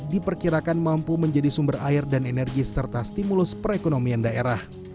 diperkirakan mampu menjadi sumber air dan energi serta stimulus perekonomian daerah